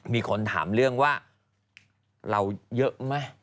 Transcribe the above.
มีคนถามเรื่องว่าเราเยอะไหม